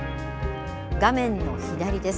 画面の左です。